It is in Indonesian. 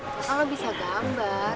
gak tau lo bisa gambar